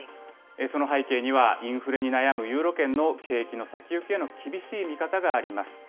その背景には、インフレに悩むユーロ圏の景気の先行きへの厳しい見方があります。